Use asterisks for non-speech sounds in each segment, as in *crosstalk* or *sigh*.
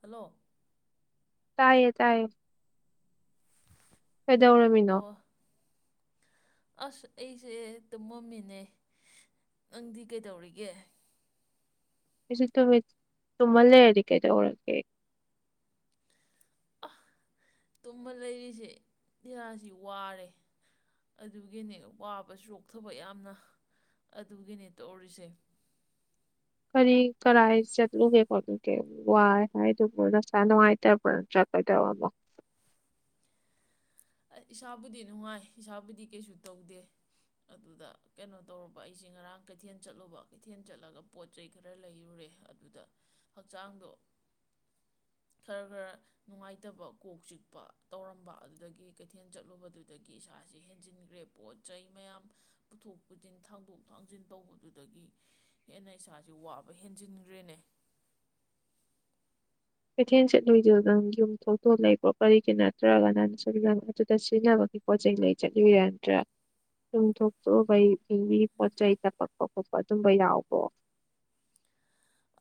Hello ꯇꯥꯏꯌꯦ ꯇꯥꯏꯌꯦ ꯀꯩꯗꯧꯔꯃꯤꯅꯣ ꯑꯣ ꯑꯁ ꯑꯩꯁꯦ ꯇꯨꯝꯃꯝꯃꯤꯅꯦ ꯅꯪꯗꯤ ꯀꯩꯗꯧꯔꯤꯒꯦ ꯁꯤ ꯇꯃ ꯂꯩꯔꯤ ꯀꯩꯗꯔꯒ ꯑ ꯇꯨꯝꯃ ꯂꯩꯔꯤꯁꯦ ꯏꯁꯥꯁꯤ ꯋꯥꯔꯦ ꯑꯗꯨꯒꯤꯅꯦ ꯋꯥꯕꯆꯣꯛꯊꯕ ꯌꯥꯝꯅ ꯑꯗꯨꯒꯤꯅꯦ ꯇꯧꯔꯤꯁꯦ ꯀꯔꯤ ꯀꯔꯥꯏ ꯆꯠꯂꯨꯒꯦ ꯈꯣꯠꯂꯨꯒꯦ ꯋꯥꯏ ꯍꯥꯏꯗꯨꯃ ꯅꯁꯥ ꯅꯨꯡꯉꯥꯏꯇꯕ꯭ꯔꯅ ꯆꯠꯀꯗꯕ ꯑꯃꯣ ꯑꯩ ꯏꯁꯥꯕꯨꯗꯤ ꯅꯨꯡꯉꯥꯏ ꯏꯁꯥꯕꯨꯗꯤ ꯀꯩꯁꯨ ꯇꯧꯗꯦ ꯑꯗꯨꯗ ꯀꯩꯅꯣ ꯇꯧꯨꯔꯕ ꯑꯩꯁꯦ ꯉꯔꯥꯡ ꯀꯩꯊꯦꯜ ꯆꯠꯂꯨꯕ ꯀꯩꯊꯦꯜ ꯆꯠꯂꯒ ꯄꯣꯠ ꯆꯩ ꯈꯔ ꯂꯩꯔꯨꯔꯦ ꯑꯗꯨꯗ ꯍꯛꯆꯥꯡꯗꯣ ꯈꯔ ꯈꯔ ꯅꯨꯡꯉꯥꯏꯇꯕ ꯀꯣꯛ ꯆꯤꯛꯄ ꯇꯧꯔꯝꯕ ꯑꯗꯨꯗꯒꯤ ꯀꯩꯊꯦꯜ ꯆꯠꯂꯨꯕꯗꯨꯗꯒꯤ ꯏꯁꯥꯁꯦ ꯍꯦꯟꯖꯤꯟꯈ꯭ꯔꯦ ꯄꯣꯠ ꯆꯩ ꯃꯌꯥꯝ ꯄꯨꯊꯣꯛ ꯄꯨꯁꯤꯟ ꯊꯥꯡꯗꯣꯛ ꯊꯥꯡꯖꯤꯟ ꯇꯧꯕꯗꯨꯗꯒꯤ ꯍꯦꯟꯅ ꯏꯁꯥꯁꯦ ꯋꯥꯕ ꯍꯦꯟꯖꯤꯟꯈ꯭ꯔꯦꯅꯦ ꯀꯩꯊꯦꯜ ꯆꯠꯂꯨꯏꯗ ꯅꯪ ꯌꯨꯝꯊꯣꯛꯇ ꯂꯩꯕ꯭ꯔꯣ ꯀꯔꯤꯒꯤ ꯅꯠꯇ꯭ꯔꯒꯅ ꯁꯨꯝꯗꯪ ꯑꯗꯨꯗ ꯁꯤꯖꯤꯟꯅꯕꯒꯤ ꯄꯣꯠꯆꯩ ꯂꯩ ꯆꯠꯂꯨ ꯌꯥꯗ꯭ꯔꯥ ꯌꯨꯝꯊꯇꯕꯩꯒꯤ ꯄꯣꯠ ꯆꯩꯩ ꯇꯄꯛꯄ ꯈꯣꯠꯄ ꯑꯗꯨꯝꯕ ꯌꯥꯎꯕ꯭ꯔꯣ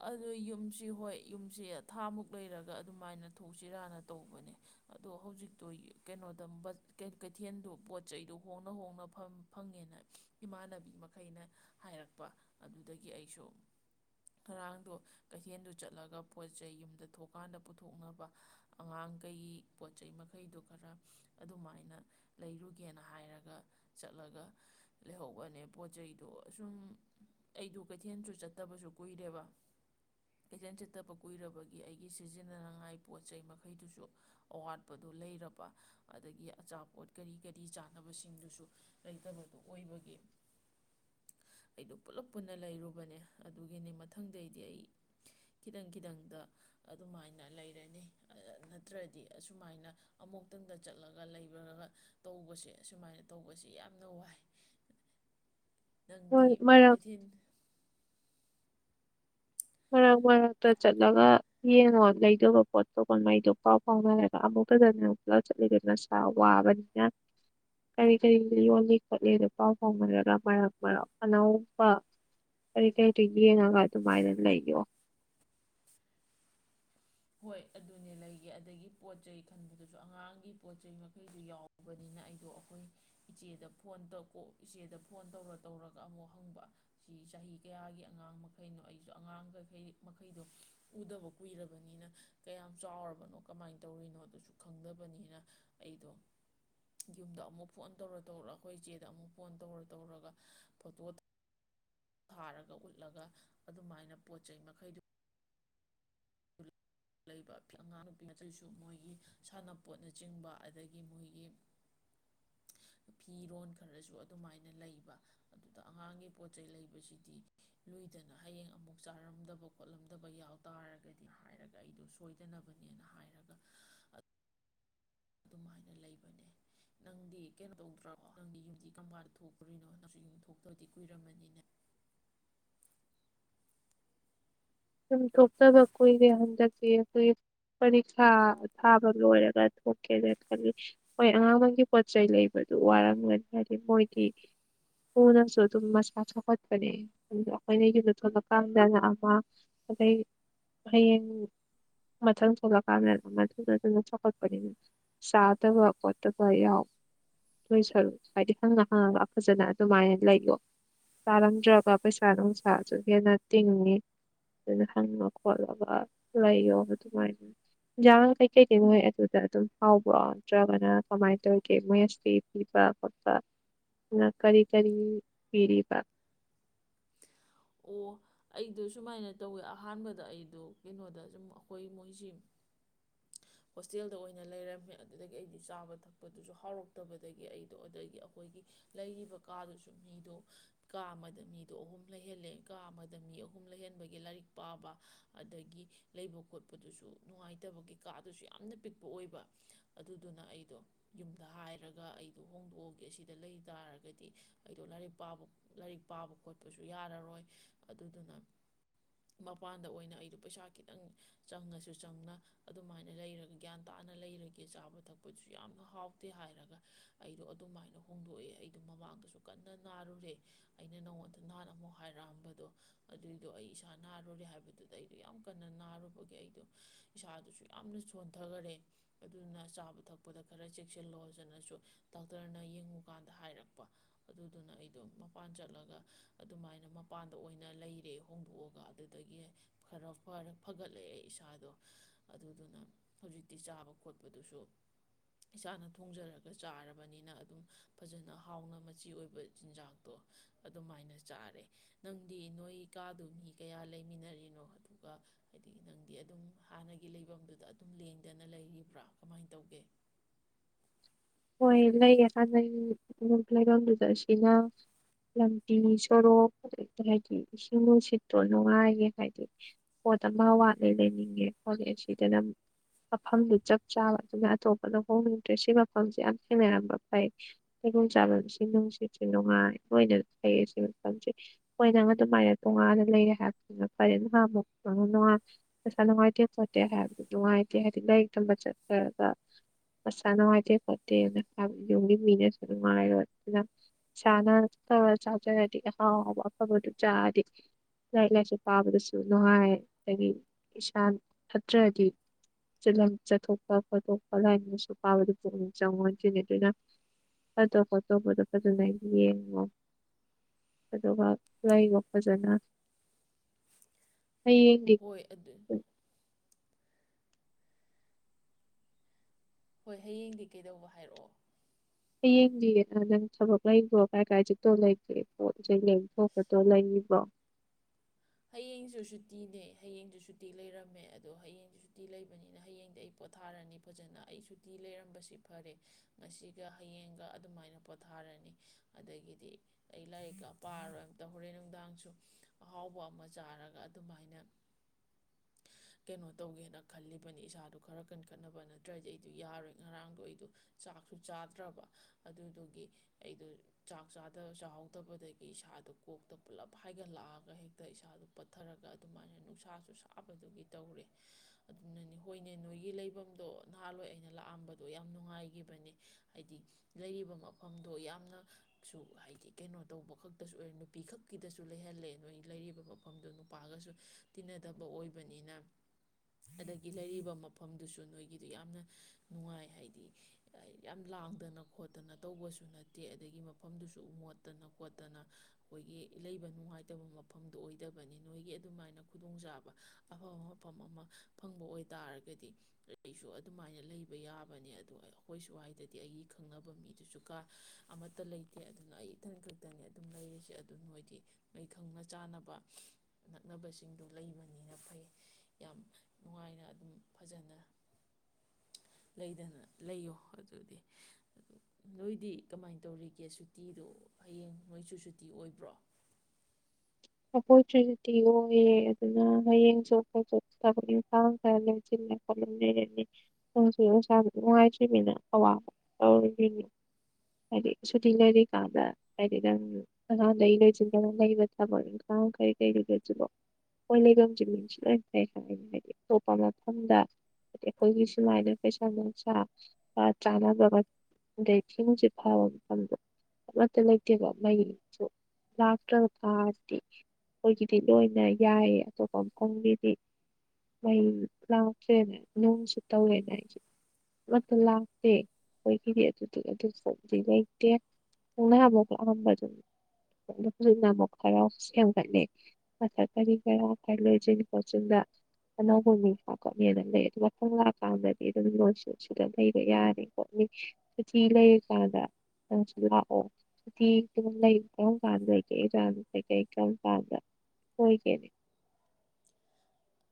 ꯑꯗꯨ ꯌꯨꯝꯁꯤ ꯍꯣꯏ ꯌꯨꯝꯁꯤ ꯊꯥꯃꯨꯛ ꯂꯩꯔꯒ ꯑꯗꯨꯃꯥꯏꯅ ꯊꯣꯛꯁꯤꯔꯥꯅ ꯇꯧꯕꯅꯦ ꯑꯗꯣ ꯍꯧꯖꯤꯛꯇꯣ ꯀꯩꯅꯣꯗ ꯀꯩꯊꯦꯜꯗꯣ ꯄꯣꯠ ꯆꯩꯗꯨꯣ ꯍꯣꯡꯅ ꯍꯣꯡꯅ ꯐꯪꯉꯦꯅ ꯏꯃꯥꯟꯅꯕꯤ ꯃꯈꯩꯅ ꯍꯥꯏꯔꯛꯄ ꯑꯗꯨꯗꯒꯤ ꯑꯩꯁꯨ ꯉꯔꯥꯡꯗꯣ ꯀꯩꯊꯦꯜꯗꯨ ꯆꯠꯂꯒ ꯄꯣꯠ ꯆꯩꯩ ꯌꯨꯝꯗ ꯊꯣꯛꯀꯥꯟꯗ ꯄꯨꯊꯣꯛꯅꯕ ꯑꯉꯥꯡꯈꯩ ꯄꯣꯠ ꯆꯩꯩ ꯃꯈꯩꯗꯣ ꯈꯔ ꯑꯗꯨꯃꯥꯏꯅ ꯂꯩꯔꯨꯒꯦꯅ ꯍꯥꯏꯔꯒ ꯆꯠꯂꯒ ꯂꯩꯍꯧꯕꯅꯦ ꯄꯣꯠ ꯆꯩꯩꯗꯣ ꯑꯁꯨꯝ ꯑꯩꯗꯨ ꯀꯩꯊꯦꯜꯁꯨ ꯆꯠꯇꯕꯁꯨ ꯀꯨꯏꯔꯦꯕ ꯑꯦꯖꯦꯟ ꯆꯠꯇꯕ ꯀꯨꯏꯔꯕꯒꯤ ꯑꯩꯒꯤ ꯁꯤꯖꯤꯟꯅꯅꯤꯡꯉꯥꯏ ꯄꯣꯠ ꯆꯩ ꯃꯈꯩꯗꯨꯁꯨ ꯑꯋꯥꯠꯄꯗꯨ ꯂꯩꯔꯕ ꯑꯗꯒꯤ ꯑꯆꯥꯄꯣꯠ ꯀꯔꯤ ꯀꯔꯤ ꯆꯥꯟꯅꯕꯁꯤꯡꯗꯨꯁꯨ ꯂꯩꯇꯕꯗꯨ ꯑꯣꯏꯕꯒꯤ ꯑꯩꯗꯣ ꯄꯨꯂꯞ ꯄꯨꯟꯅ ꯂꯩꯔꯨꯕꯅꯦ ꯑꯗꯨꯒꯤꯅꯤ ꯃꯊꯪꯗꯩꯗꯤ ꯑꯩ ꯈꯤꯇꯪ ꯈꯤꯇꯪꯗ ꯑꯗꯨꯃꯥꯏꯅ ꯂꯩꯔꯅꯤ ꯅꯠꯇ꯭ꯔꯗꯤ ꯑꯁꯨꯃꯥꯏꯅ ꯑꯃꯨꯛꯇꯪꯗ ꯆꯠꯂꯒ ꯂꯩꯕꯒ ꯇꯧꯕꯁꯦ ꯑꯁꯨꯃꯥꯏꯅ ꯇꯧꯕꯁꯦ ꯌꯥꯝꯅ ꯋꯥꯏ ꯍꯣꯏ ꯅꯪꯗꯤ ꯃꯔꯛ ꯀꯩꯊꯤꯟ ꯎꯝ ꯃꯣꯏꯇ ꯆꯠꯂꯒ ꯌꯦꯡꯉꯣ ꯂꯩꯗꯕ ꯄꯣꯠꯇꯣꯀꯉꯩꯗꯣ ꯄꯥꯎ ꯐꯥꯎꯅꯔꯒ ꯑꯃꯨꯛꯀꯗꯅ ꯄꯨꯂꯞ ꯆꯠꯂꯤꯗꯨ ꯅꯁꯥ ꯋꯥꯕꯅꯤꯅ ꯀꯔꯤ ꯀꯔꯤ ꯌꯣꯜꯂꯤ ꯈꯣꯠꯂꯤꯗꯣ ꯄꯥꯎ ꯐꯥꯎꯅꯔꯒ ꯃꯔꯛ ꯃꯔꯛ ꯑꯅꯧꯕ ꯀꯔꯤ ꯀꯔꯤꯗꯣ ꯌꯦꯡꯉꯒ ꯑꯗꯨꯃꯥꯏꯅꯅ ꯂꯩ ꯌꯣ ꯍꯣꯏ ꯑꯗꯨꯅꯦ ꯂꯩꯒꯦ ꯑꯗꯒꯤ ꯄꯣꯠ ꯆꯩꯩ ꯈꯟꯕꯗꯨꯁꯨ ꯑꯉꯥꯡꯒꯤ ꯄꯣꯠ ꯆꯩ ꯃꯈꯩꯗꯨ ꯌꯥꯎꯕꯅꯤꯅ ꯑꯩꯗꯣ ꯑꯩꯈꯣꯏ ꯏꯆꯦꯗ ꯐꯣꯟ ꯀ ꯏꯆꯦꯗ ꯐꯣꯟ ꯇꯧꯔ ꯇꯧꯔꯒ ꯑꯃꯨꯛ ꯍꯪꯕ ꯁꯤ ꯆꯍꯤ ꯀꯌꯥꯒꯤ ꯑꯉꯥꯡ ꯃꯈꯩꯅꯣ ꯑꯩꯁꯨ ꯑꯉꯥꯡꯩ ꯃꯈꯩꯗꯣ ꯎꯗꯕ ꯀꯨꯏꯔꯕꯅꯤꯅ ꯀꯌꯥꯝ ꯆꯥꯎꯔꯕꯅꯣ ꯀꯃꯥꯏꯅ ꯇꯧꯔꯤꯅꯣ ꯑꯗꯨꯁꯨ ꯈꯪꯗꯕꯅꯤꯅ ꯑꯩꯗꯣ ꯌꯨꯝꯗ ꯑꯃꯨꯛ ꯐꯣꯟ ꯇꯧꯔ ꯇꯧꯔ ꯑꯩꯈꯣꯏ ꯏꯆꯦꯗ ꯑꯃꯨꯛ ꯐꯣꯟ ꯇꯧꯔ ꯇꯧꯔꯒ ꯐꯣꯇꯣ ꯊꯥꯔꯒ ꯎꯠꯂꯒ ꯑꯗꯨꯃꯥꯏꯅ ꯄꯣꯠ ꯆꯩꯩ ꯃꯈꯩꯗꯨ ꯂꯩꯕ ꯑꯉꯥꯡ ꯅꯨꯄꯤ ꯃꯆꯩꯁꯨ ꯃꯣꯏꯒꯤ ꯁꯥꯟꯅꯄꯣꯠꯅꯆꯤꯡꯕ ꯑꯗꯒꯤ ꯃꯣꯏꯒꯤ ꯐꯤꯔꯣꯟ ꯈꯔꯁꯨ ꯑꯗꯨꯃꯥꯏꯅ ꯂꯩꯕ ꯑꯗꯨꯗ ꯑꯉꯥꯡꯒꯤ ꯄꯣꯠ ꯆꯩꯩ ꯂꯩꯕꯁꯤꯗꯤ ꯂꯨꯏꯗꯅ ꯍꯌꯦꯡ ꯑꯃꯨꯛ ꯆꯥꯔꯝꯗꯕ ꯈꯣꯠꯂꯝꯗꯕ ꯌꯥꯎ ꯇꯥꯔꯒꯗꯤ ꯍꯥꯏꯔꯒ ꯑꯩꯗꯣ ꯁꯣꯏꯗꯅꯕꯅꯦꯅ ꯍꯥꯏꯔꯒ ꯑꯗꯨꯃꯥꯏꯅ ꯂꯩꯕꯅꯦ ꯅꯪꯗꯤ ꯀꯩꯅꯣ ꯇꯧꯗ꯭ꯔꯣ ꯅꯪꯗꯤ ꯌꯨꯝꯗꯤ ꯀꯔꯝꯕꯥꯗ ꯊꯣꯛꯇꯣꯔꯤꯅꯣ ꯅꯠꯇ꯭ꯔꯁꯨ ꯌꯨꯝ ꯊꯣꯛꯇ꯭ꯔꯗꯤ ꯀꯨꯏꯔꯝꯃꯅꯤꯅꯦ ꯌꯨꯝ ꯊꯣꯛꯇꯕ ꯀꯨꯏꯔꯦ ꯍꯟꯗꯛꯇꯤ ꯑꯩꯈꯣꯏꯒꯤ ꯄꯔꯤꯈꯥ ꯊꯥꯕ ꯂꯣꯏꯔꯒ ꯊꯣꯛꯀꯦꯅ ꯈꯜꯂꯤ ꯍꯣꯏ ꯑꯉꯥꯃꯈꯩ ꯄꯣꯠ ꯆꯩꯩ ꯂꯩꯕꯗꯨ ꯋꯥꯔꯝꯒꯅꯤ ꯍꯥꯏꯗꯤ ꯃꯣꯏꯒꯤ ꯎꯨꯅꯁꯨ ꯑꯗꯨꯝ ꯃꯁꯥ ꯆꯥꯎꯈꯠꯄꯅꯦ ꯑꯗꯨ ꯑꯩꯈꯣꯏꯅ ꯌꯨꯝꯗ ꯊꯣꯛꯂꯀꯥꯟꯗꯅ ꯑꯃ ꯑꯗꯩ ꯍꯌꯦꯡ ꯃꯊꯪ ꯊꯣꯛꯂꯛꯀꯥꯟꯗ ꯑꯗꯨ ꯃꯊꯅ ꯑꯗꯨꯅ ꯆꯥꯎꯈꯠꯄꯅꯤꯅ ꯆꯥꯗꯕ ꯈꯣꯠꯇꯕ ꯌꯥꯎ ꯑꯗꯨꯏ ꯁꯔꯨꯛ ꯍꯥꯏꯗꯤ ꯍꯪꯉ ꯍꯪꯉꯒ ꯐꯖꯅ ꯑꯗꯨꯃꯥꯏꯅ ꯂꯩꯒꯣ ꯆꯥꯔꯝꯗ꯭ꯔꯕ ꯄꯩꯁꯥ ꯅꯨꯡꯁꯥꯁꯨ ꯍꯦꯟꯅ ꯇꯤꯡꯉꯤ꯫ ꯑꯗꯨꯅ ꯍꯪꯉ ꯈꯣꯠꯂꯒ ꯂꯩꯌꯣ ꯑꯗꯨꯃꯥꯏ ꯏꯟꯖꯥꯡ ꯀꯩꯀꯩꯗꯤ ꯃꯣꯏ ꯑꯗꯨꯗ ꯑꯗꯨꯝ ꯍꯥꯎꯕ꯭ꯔꯣ ꯅꯠꯇ꯭ꯔꯒꯅ ꯀꯃꯥꯏꯅ ꯇꯧꯒꯦ ꯃꯣꯏ ꯑꯁꯤ ꯄꯤꯕ ꯈꯣꯠꯄ ꯑꯗꯨꯅ ꯀꯔꯤ ꯀꯔꯤ ꯄꯤꯔꯤꯕ꯫ ꯑꯣ ꯑꯩꯗꯣ ꯁꯨꯃꯥꯏꯅ ꯇꯧꯋꯦ ꯑꯍꯥꯟꯕꯗ ꯑꯩꯗꯣ ꯀꯩꯅꯣꯗ ꯁꯨꯝ ꯑꯩꯈꯣꯏ ꯃꯣꯏꯁꯤ ꯍꯣꯁꯇꯦꯜꯗ ꯑꯣꯏꯅ ꯂꯩꯔꯝꯃꯦ ꯑꯗꯨꯗꯒꯤ ꯑꯩꯗꯤ ꯆꯥꯕ ꯊꯛꯄꯗꯨꯁꯨ ꯍꯥꯎꯔꯛꯇꯕꯗꯒꯤ ꯑꯩꯗꯣ ꯑꯗꯒꯤ ꯑꯩꯈꯣꯏꯒꯤ ꯂꯩꯔꯤꯕ ꯀꯥꯗꯨꯁꯨ ꯃꯤꯗꯣ ꯀꯥ ꯑꯃꯗ ꯃꯤꯗꯣ ꯑꯍꯨꯝ ꯂꯩ꯫ ꯂꯩꯍꯜꯂꯦ ꯀꯥ ꯑꯃꯗ ꯃꯤ ꯑꯍꯨꯝ ꯂꯩꯍꯟꯕꯒꯤ ꯂꯥꯏꯔꯤꯛ ꯄꯥꯕ ꯑꯗꯒꯤ ꯂꯩꯕ ꯈꯣꯠꯄꯗꯨꯁꯨ ꯅꯨꯡꯉꯥꯏꯇꯕꯒꯤ ꯀꯥꯗꯨꯁꯨ ꯌꯥꯝꯅ ꯄꯤꯛꯄ ꯑꯣꯏꯕ ꯑꯗꯨꯗꯨꯅ ꯑꯩꯗꯣ ꯌꯨꯝꯗ ꯍꯥꯏꯔꯒ ꯑꯩꯗꯣ ꯍꯣꯡꯗꯣꯛꯑꯒꯦ ꯑꯁꯤꯗ ꯂꯩ ꯇꯥꯔꯒꯗꯤ ꯑꯩꯗꯣ ꯂꯥꯏꯔꯤꯛ ꯄꯥꯕ ꯂꯥꯏꯔꯤꯛ ꯄꯥꯕ ꯈꯣꯠꯄꯁꯨ ꯁꯨ ꯌꯥꯔꯔꯣꯏ ꯑꯗꯨꯗꯨꯅ ꯃꯄꯥꯟꯗ ꯑꯣꯏꯅ ꯑꯩꯗꯣ ꯄꯩꯁꯥ ꯈꯤꯇꯪ ꯆꯪꯉꯁꯨ ꯆꯪꯅ ꯑꯗꯨꯃꯥꯏꯅ ꯂꯩꯔꯒ ꯒ꯭ꯌꯥꯟ ꯇꯥꯅ ꯂꯩꯔꯒꯦ ꯆꯥꯕ ꯊꯛꯄꯗꯨꯁꯨ ꯌꯥꯝꯅ ꯍꯥꯎꯇꯦ ꯍꯥꯏꯔꯒ ꯑꯩꯗꯣ ꯑꯗꯨꯃꯥꯏꯅ ꯍꯣꯡꯗꯣꯛꯑꯦ ꯑꯩꯗꯣ ꯃꯃꯥꯡꯗꯁꯨ ꯀꯟꯅ ꯅꯥꯔꯨꯔꯦ ꯑꯩꯅ ꯅꯉꯣꯟꯗ ꯅꯍꯥꯟ ꯑꯃꯨꯛ ꯍꯥꯏꯔꯛꯑꯝꯕꯗꯣ ꯑꯗꯨꯏꯗꯣ ꯑꯩ ꯏꯁꯥ ꯅꯥꯔꯨꯔꯦ ꯍꯥꯏꯕꯗꯨꯗ ꯑꯩꯗꯣ ꯌꯥꯝ ꯀꯟꯅ ꯅꯥꯔꯨꯕꯒꯤ ꯑꯩꯗꯣ ꯏꯁꯥꯗꯨꯁꯨ ꯌꯥꯝꯅ ꯁꯣꯟꯊꯈꯔꯦ ꯑꯗꯨꯅ ꯆꯥꯕ ꯊꯛꯄꯗ ꯈꯔ ꯆꯦꯛꯁꯤꯜꯂꯣꯖꯅꯖꯨ ꯗꯥꯛꯇꯔꯅ ꯌꯦꯡꯉꯨꯀꯥꯟꯗ ꯍꯥꯏꯔꯛꯄ ꯑꯗꯨꯗꯨꯅ ꯑꯩꯗꯣ ꯃꯄꯥꯟ ꯆꯠꯂꯒ ꯑꯗꯨꯃꯥꯏꯅ ꯃꯄꯥꯟꯗ ꯑꯣꯏꯅ ꯂꯩꯔꯦ ꯍꯣꯡꯗꯣꯛꯑꯒ ꯑꯗꯨꯗꯒꯤ ꯈꯔꯔ ꯐꯒꯠꯂꯛꯑꯦ ꯏꯁꯥꯗꯣ ꯑꯗꯨꯗꯨꯅ ꯍꯧꯖꯤꯛꯇꯤ ꯆꯥꯕ ꯈꯣꯠꯄꯗꯨꯁꯨ ꯏꯁꯥꯅ ꯊꯣꯡꯖꯔꯒ ꯆꯥꯔꯕꯅꯤꯅ ꯑꯗꯨꯝ ꯐꯖꯅ ꯍꯥꯎꯅ ꯃꯆꯤ ꯑꯣꯏꯕ ꯆꯤꯟꯖꯥꯛꯇꯣ ꯑꯗꯨꯃꯥꯏꯅ ꯆꯥꯔꯦ ꯅꯪꯗꯤ ꯅꯣꯏ ꯀꯥꯗꯨ ꯃꯤ ꯀꯌꯥ ꯂꯩꯃꯤꯟꯅꯔꯤꯅꯣ ꯑꯗꯨꯒ ꯍꯥꯏꯗꯤ ꯅꯪꯗꯤ ꯑꯗꯨꯝ ꯍꯥꯟꯅꯒꯤ ꯂꯩꯐꯝꯗꯨꯗ ꯑꯗꯨꯝ ꯂꯦꯡꯗꯅ ꯂꯩꯔꯤꯕ꯭ꯔꯥ ꯀꯃꯥꯏꯅ ꯇꯧꯒꯦ꯫ ꯍꯣꯏ ꯂꯩꯌꯦ ꯍꯥꯟꯅꯩ ꯂꯩꯐꯝꯗꯨꯗ ꯑꯁꯤꯅ ꯂꯝꯕꯤ ꯁꯣꯔꯣꯛ ꯑꯗꯒꯤ ꯍꯥꯏꯗꯤ ꯏꯁꯤꯡ ꯅꯨꯡꯁꯤꯠꯇꯣ ꯅꯨꯡꯉꯥꯏꯌꯦ ꯍꯥꯏꯗꯤ ꯄꯣꯠ ꯑꯃ ꯋꯥꯠꯂꯦ ꯂꯩꯅꯤꯡꯉꯦ ꯈꯣꯠꯂꯦ ꯑꯁꯤꯗꯅ ꯃꯐꯝꯗꯨ ꯆꯞ ꯆꯥꯕ ꯑꯗꯨꯅ ꯑꯇꯣꯞꯄꯗ ꯍꯣꯡꯅꯤꯡꯗ꯭ꯔꯦ ꯁꯤꯃꯐ ꯃꯐꯝꯁꯦ ꯌꯥꯝ ꯊꯦꯡꯅꯔꯝꯕ ꯐꯩ ꯂꯩꯩꯕꯝ ꯆꯥꯕꯝꯁꯤ ꯅꯨꯡꯁꯤꯠꯁꯨ ꯅꯨꯡꯉꯥꯏ ꯋꯦꯗꯔꯁꯨ ꯐꯩꯌꯦ ꯁꯤ ꯃꯐꯝꯁꯤ ꯍꯣꯏꯗ ꯑꯗꯨꯃꯥꯏꯅ ꯇꯣꯉꯥꯟꯅ ꯂꯩꯔꯦ ꯍꯥꯏꯕꯗꯨꯅ ꯐꯔꯦ ꯅꯍꯥꯟ ꯑꯃꯨꯛꯉ ꯅꯁꯥ ꯅꯨꯡꯉꯥꯏꯇꯦ ꯈꯣꯠꯇꯦ ꯍꯥꯏꯕꯗꯨ ꯅꯨꯡꯉꯥꯏꯇꯦ ꯍꯥꯏꯗꯤ ꯂꯥꯏꯔꯤꯛ ꯇꯝꯕ ꯆꯠꯈꯔꯒ ꯃꯁꯥ ꯅꯨꯡꯉꯥꯏꯇꯦ ꯈꯣꯠꯇꯦꯅ ꯍꯥꯏꯕꯗꯤ ꯌꯨꯝꯒꯤ ꯃꯤꯅꯁꯨ ꯅꯨꯡꯉꯥꯏꯔꯣꯏ ꯑꯗꯨꯅ ꯏꯁꯥꯅ ꯈꯔ ꯆꯥꯖꯔꯗꯤ ꯑꯍꯥꯎ ꯑꯍꯥꯎꯕ ꯑꯐꯕꯗꯨ ꯆꯥꯔꯗꯤ ꯂꯥꯏꯔꯤꯛ ꯂꯥꯏꯁꯨ ꯄꯥꯕꯗꯁꯨ ꯅꯨꯡꯉꯥꯏ ꯑꯗꯒꯤ ꯏꯁꯥ ꯐꯠꯇ꯭ꯔꯗꯤ ꯆꯂꯝ ꯆꯠꯊꯣꯛꯄ ꯈꯣꯠꯇꯣꯛꯄ ꯂꯥꯏꯔꯤꯛ ꯂꯥꯏꯁꯨ ꯄꯥꯕꯗ ꯄꯅꯤꯡ ꯆꯪꯉꯣꯗꯣꯏꯅꯤ ꯑꯗꯨꯅ ꯐꯇꯕꯄꯣꯠꯇꯣ ꯐꯖꯅ ꯌꯦꯡꯉꯣ ꯑꯗꯨꯒ ꯂꯩꯌꯣ ꯐꯖꯅ꯫ ꯍꯌꯦꯡꯗꯤ꯫ ꯍꯣꯏ ꯑꯗꯨ ꯍꯣꯏ ꯍꯌꯦꯡꯗꯤ ꯀꯩꯗꯧꯕ ꯍꯥꯏꯔꯛꯑꯣ꯫ ꯍꯌꯦꯡꯗꯤ ꯅꯪ ꯊꯕꯛ ꯂꯩꯕ꯭ꯔꯣ ꯀꯥꯏ ꯀꯥꯏ ꯆꯠꯇꯣ ꯂꯩꯇꯦ ꯄꯣꯠꯆꯩ ꯂꯩꯕ ꯊꯣꯛꯄꯗꯣ ꯂꯩꯕ꯭ꯔꯣ꯫ ꯍꯌꯦꯡꯁꯨ ꯁꯨꯇꯤꯅꯦ ꯍꯌꯦꯡꯁꯨ ꯁꯨꯇꯤ ꯂꯩꯔꯝꯃꯦ ꯑꯗꯣ ꯍꯌꯦꯡꯖꯨ ꯁꯨꯇꯤ ꯂꯩꯕꯅꯤꯅ ꯍꯌꯦꯡꯗꯤ ꯑꯩ ꯄꯣꯊꯥꯔꯅꯤ ꯐꯖꯅ ꯑꯩ ꯁꯨꯇꯤ ꯂꯩꯔꯝꯕꯁꯤ ꯐꯔꯦ ꯉꯁꯤꯒ ꯍꯌꯦꯡꯒ ꯑꯗꯨꯃꯥꯏꯅ ꯄꯣꯊꯥꯔꯅꯤ ꯑꯗꯒꯤꯗꯤ ꯑꯩ ꯂꯥꯏꯔꯤꯛꯀ ꯄꯥꯔꯣꯏ ꯑꯝꯇ ꯍꯣꯔꯦꯟ ꯅꯨꯡꯗꯥꯡꯁꯨ ꯑꯍꯥꯎꯕ ꯑꯝ ꯑꯃ ꯆꯥꯔꯒ ꯑꯗꯨꯃꯥꯏꯅ ꯀꯩꯅꯣ ꯇꯧꯒꯦꯅ ꯈꯜꯂꯤꯕꯅꯤ ꯏꯁꯥꯗꯣ ꯈꯔ ꯀꯟꯈꯠꯅꯕ ꯅꯠꯇ꯭ꯔꯗꯤ ꯑꯩꯗꯨ ꯌꯥꯔꯣꯏ ꯉꯔꯥꯡꯗꯣ ꯑꯩꯗꯣ ꯆꯥꯛꯁꯨ ꯆꯥꯗ꯭ꯔꯕ ꯑꯗꯨꯗꯨꯒꯤ ꯑꯩꯗꯣ ꯆꯥꯛ ꯆꯗ ꯆꯥꯍꯧꯗꯕꯗꯒꯤ ꯏꯁꯥꯗꯣ ꯀꯣꯛꯇ ꯄꯨꯜꯂꯞ ꯍꯥꯏꯒꯠꯂꯛꯑꯒ ꯍꯦꯛ ꯇ ꯏꯁꯥꯗꯣ ꯄꯠꯊꯔꯒ ꯑꯗꯨꯃꯥꯏꯅ ꯅꯨꯡꯁꯥꯁꯨ ꯁꯥꯕꯗꯨꯒꯤ ꯇꯧꯔꯦ ꯑꯗꯨꯅꯅꯤ ꯍꯣꯏꯅꯦ ꯅꯣꯏꯒꯤ ꯂꯩꯐꯝꯗꯣ ꯅꯍꯥꯟꯋꯥꯏ ꯑꯩꯅ ꯂꯥꯛꯑꯝꯕꯗꯣ ꯌꯥꯝ ꯅꯨꯡꯉꯥꯏꯒꯤꯕꯅꯦ ꯍꯥꯏꯗꯤ ꯂꯩꯔꯤꯕ ꯃꯐꯝꯗꯣ ꯌꯥꯝꯅꯁꯨ ꯍꯥꯏꯗꯤ ꯀꯩꯅꯣ ꯇꯧꯕ ꯈꯛꯇꯁꯨ ꯑꯣꯏꯔꯦ ꯅꯨꯄꯤ ꯈꯛꯀꯤꯗꯁꯨ ꯂꯩꯍꯜꯂꯦ ꯅꯣꯏ ꯂꯩꯔꯤꯕ ꯃꯐꯝꯗꯨ ꯅꯨꯄꯥꯒꯁꯨ ꯇꯤꯟꯅꯗꯕ ꯑꯣꯏꯕꯅꯤꯅ ꯑꯗꯒꯤ ꯂꯩꯔꯤꯕ ꯃꯐꯝꯗꯨꯁꯨ ꯅꯣꯏꯒꯤꯗ ꯌꯥꯝꯅ ꯅꯨꯡꯉꯥꯏ ꯍꯥꯏꯗꯤ ꯌꯥꯝ ꯂꯥꯡꯗꯅ ꯈꯣꯠꯇꯅ ꯇꯧꯕꯁꯨ ꯅꯠꯇꯦ ꯑꯗꯒꯤ ꯃꯐꯝꯗꯨꯁꯨ ꯃꯣꯠꯇꯅ ꯈꯣꯠꯇꯅ ꯑꯩꯈꯣꯏꯒꯤ ꯂꯩꯕ ꯅꯨꯡꯉꯥꯏꯇꯕ ꯃꯐꯝ ꯃꯐꯝꯗꯣ ꯑꯣꯏꯗꯕꯅꯤ ꯅꯣꯏꯒꯤ ꯑꯗꯨꯃꯥꯏꯅ ꯈꯨꯗꯣꯡꯆꯥꯥꯕ ꯑꯐꯕ ꯃꯐꯝ ꯑꯃ ꯐꯪꯕ ꯑꯣꯏꯇꯥꯔꯒꯗꯤ ꯑꯩꯁꯨ ꯑꯗꯨꯃꯥꯏꯅ ꯂꯩꯕ ꯌꯥꯕꯅꯤ ꯑꯗꯨ ꯑꯩꯈꯣꯏ ꯁ꯭ꯋꯥꯏꯗꯗꯤ ꯑꯩꯒꯤ ꯈꯪꯅꯕ ꯃꯤꯗꯨꯁꯨ ꯀꯥ ꯑꯃꯠꯇ ꯂꯩꯇꯦ ꯑꯗꯨꯅ ꯑꯩ ꯏꯊꯟ ꯈꯛꯇꯅꯤ ꯑꯗꯨꯝ ꯂꯩꯔꯤꯁꯦ ꯑꯗꯨ ꯅꯣꯏꯗꯤ ꯑꯩ ꯈꯪꯅ ꯆꯥꯅꯕ ꯅꯛꯅꯕꯁꯤꯡꯗꯣ ꯂꯩꯕꯅꯤꯅ ꯐꯩ ꯌꯥꯝ ꯅꯨꯡꯉꯥꯏꯅ ꯑꯗꯨꯝ ꯐꯖꯅ ꯂꯩꯗꯅ ꯂꯩꯌꯣ ꯑꯗꯨꯗꯤ ꯅꯣꯏꯗꯤ ꯀꯃꯥꯏꯅ ꯇꯧꯔꯤꯒꯦ ꯁꯨꯇꯤꯗꯣ ꯍꯌꯦꯡ ꯅꯣꯏꯁꯨ ꯁꯨꯇꯤ ꯑꯣꯏꯕ꯭ꯔꯣ꯫ ꯑꯩꯈꯣꯏꯖꯨ ꯁꯨꯇꯤ ꯑꯣꯏꯌꯦ ꯑꯗꯨꯅ ꯍꯌꯦꯡꯁꯨ *unintelligible* ꯈꯣꯠꯂ ꯂꯩꯔꯅꯤ ꯅꯁꯨꯁꯥꯕ ꯅꯨꯡꯉꯥꯏꯇ꯭ꯅꯤꯅ ꯑꯋꯥꯕ ꯇꯔꯅꯤ ꯍꯥꯏꯗꯤ ꯁꯨꯇꯤ ꯂꯩꯔꯤꯀꯥꯟꯗ ꯍꯥꯏꯗꯤ ꯅꯪ ꯑꯉꯥꯡꯗꯒꯤ ꯂꯣꯏꯁꯤꯜꯗꯅ ꯂꯩꯕ ꯊꯕꯅꯤ꯫ ꯀꯔꯤ ꯀꯔꯤꯒ ꯑꯗꯨꯕꯣ ꯑꯩꯈꯣꯏ ꯂꯩꯐꯝꯁꯦ ꯃꯤꯁꯨ ꯂꯣꯏ ꯐꯩ ꯍꯥꯏꯅꯤ ꯍꯥꯏꯗꯤ ꯑꯇꯣꯞꯄ ꯃꯐꯝꯗ ꯍꯥꯏꯗꯤ ꯑꯩꯈꯣꯏꯒꯤ ꯁꯨꯃꯥꯏꯅ ꯄꯩꯁꯥ ꯅꯨꯡꯁꯥ ꯆꯥꯅꯕ ꯑꯗꯩ ꯊꯤꯡꯁꯦ ꯐꯕ ꯃꯐꯝꯗꯣ ꯑꯃꯠꯇ ꯂꯩꯇꯦꯕ ꯃꯩꯁꯨ ꯂꯥꯛꯇ꯭ꯔꯕ ꯐꯥꯔꯗꯤ ꯑꯩꯈꯣꯏꯒꯤꯗꯤ ꯂꯣꯏꯅ ꯌꯥꯏꯌꯦ ꯑꯇꯣꯞꯄ ꯃꯈꯐꯝꯒꯤꯗꯤ ꯃꯩ ꯂꯥꯛꯇ꯭ꯔꯦꯅ ꯅꯨꯡꯁꯨ ꯇꯧꯋꯦꯅ ꯑꯩꯒꯤꯗꯤ ꯑꯃꯠꯇ ꯂꯥꯛꯇꯦ ꯑꯩꯈꯣꯏꯒꯤꯗꯤ ꯑꯗꯨ ꯑꯗꯨꯑꯨꯝꯕꯗꯤ ꯂꯩꯇꯦ ꯅꯣꯡꯅ ꯑꯃꯨꯛ ꯑꯑꯝꯕ ꯑꯗꯨꯝ ꯐꯖꯅ ꯑꯃꯨꯛ ꯈꯔꯥꯎ ꯍꯦꯟꯒꯠꯂꯦ ꯃꯊꯛ ꯀꯔꯤ ꯀꯔ ꯈꯔ ꯂꯣꯏꯁꯤꯅꯤ ꯈꯣꯠꯆꯤꯟꯗ ꯑꯅꯧꯕ ꯃꯤ ꯍꯥꯀꯣꯠꯅꯤꯅ ꯂꯩ ꯑꯗꯨ ꯃꯐꯝ ꯂꯥꯛꯀꯥꯟꯗꯗꯤ ꯑꯗꯨꯝ ꯂꯣꯏꯁꯨ ꯁꯤꯗ ꯂꯩꯕ ꯌꯥꯅꯤ ꯈꯣꯠꯅꯤ ꯁꯨꯇꯤ ꯂꯩꯔꯀꯥꯟꯗ ꯅꯪꯁꯨ ꯂꯥꯛꯑꯣ ꯁꯨꯇꯤ ꯑꯗꯨꯝ ꯂꯩ ꯀꯥꯟꯗ ꯀꯝꯀꯥꯟ ꯂꯩꯒꯦ ꯑꯦꯛꯖꯥꯝ ꯀꯩꯀꯩ ꯀꯝꯀꯥꯟꯗ ꯑꯣꯏꯒꯦ꯫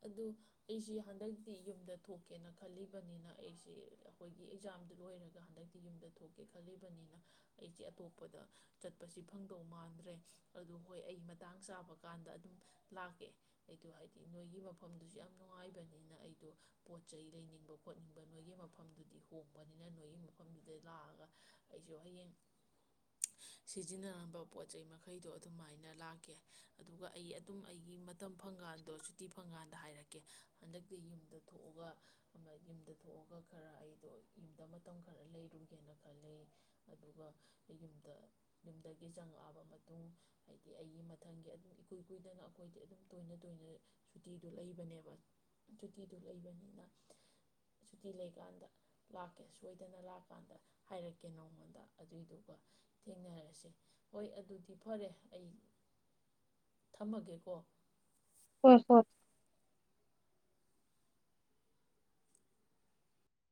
ꯑꯗꯨ ꯑꯩꯖꯦ ꯍꯟꯗꯛꯇꯤ ꯌꯨꯝꯗ ꯊꯣꯛꯀꯦꯅ ꯈꯜꯂꯤꯕꯅꯤꯅ ꯑꯩꯁꯤ ꯑꯩꯈꯣꯏꯒꯤ ꯑꯦꯛꯖꯥꯝꯗꯨ ꯂꯣꯏꯔꯒ ꯍꯟꯗꯛꯇꯤ ꯌꯨꯝꯗ ꯊꯣꯛꯀꯦ ꯈꯜꯂꯤꯕꯅꯤꯅ ꯑꯩꯖꯦ ꯑꯇꯣꯞꯄꯗ ꯆꯠꯄꯁꯤ ꯐꯪꯗꯧ ꯃꯥꯟꯗ꯭ꯔꯦ ꯑꯗꯨ ꯍꯣꯏ ꯑꯩ ꯃꯇꯥꯡ ꯆꯥꯕ ꯀꯥꯟꯗ ꯑꯗꯨꯝ ꯂꯥꯛꯀꯦ ꯑꯩꯗꯣ ꯍꯥꯏꯗꯤ ꯅꯣꯏꯒꯤ ꯃꯐꯝ ꯗꯨꯁꯨ ꯌꯥꯝ ꯅꯨꯡꯉꯥꯏꯕꯅꯤꯅ ꯑꯩꯗꯣ ꯄꯣꯠ ꯆꯩ ꯂꯩꯅꯤꯡꯕ ꯈꯣꯠꯅꯤꯡꯕ ꯅꯣꯏꯒꯤ ꯃꯐꯝꯗꯨꯗꯤ ꯍꯣꯡꯕꯅꯤꯅ ꯅꯣꯏꯒꯤ ꯃꯐꯝꯗꯨꯗ ꯂꯥꯛꯑꯒ ꯑꯩꯖꯨ ꯍꯌꯦꯡ ꯁꯤꯖꯤꯟꯅꯔꯝꯕ ꯄꯣꯠ ꯆꯩ ꯃꯈꯩꯗꯣ ꯑꯗꯨꯃꯥꯏꯅ ꯂꯥꯛꯀꯦ ꯑꯗꯨꯒ ꯑꯩ ꯑꯗꯨꯝ ꯑꯩꯒꯤ ꯃꯇꯝ ꯐꯪꯀꯥꯟꯗꯣ ꯁꯨꯇꯤ ꯐꯪꯀꯥꯟꯗ ꯍꯥꯏꯔꯛꯀꯦ ꯍꯟꯗꯛꯇꯤ ꯌꯨꯝꯗ ꯊꯣꯛꯑꯒ ꯑꯃ ꯌꯨꯝꯗ ꯊꯣꯛꯑꯒ ꯈꯔ ꯑꯩꯗꯣ ꯌꯨꯝꯗ ꯃꯇꯝ ꯈꯔ ꯂꯩꯔꯨꯒꯦꯅ ꯈꯂꯦ ꯑꯗꯨꯒ ꯌꯨꯝꯗ ꯌꯨꯝꯗꯒꯤ ꯆꯪꯉꯛꯑꯕ ꯃꯇꯨꯡ ꯍꯥꯏꯗꯤ ꯑꯩꯒꯤ ꯃꯊꯪꯒꯤ ꯑꯗꯨꯝ ꯏꯀꯨꯏ ꯀꯨꯏꯗꯅ ꯑꯩꯈꯣꯏꯗꯤ ꯑꯗꯨꯝ ꯇꯣꯏꯅ ꯇꯣꯏꯅ ꯁꯨꯇꯤꯗꯨ ꯂꯩꯕꯅꯦꯕ ꯁꯨꯇꯤꯗꯨ ꯂꯩꯕꯅꯤꯅ ꯁꯨꯇꯤ ꯂꯩꯀꯥꯟꯗ ꯂꯥꯛꯀꯦ ꯁꯣꯏꯗꯅ ꯂꯥꯛꯀꯥꯟꯗ ꯍꯥꯏꯔꯛꯀꯦ ꯅꯉꯣꯟꯗ ꯑꯗꯨꯏꯗꯨꯒ ꯊꯦꯡꯅꯔꯁꯤ ꯍꯣꯏ ꯑꯗꯨꯗꯤ ꯐꯔꯦ ꯑꯩ ꯊꯝꯃꯒꯦꯀꯣ꯫ ꯍꯣꯏ ꯍꯣꯏ꯫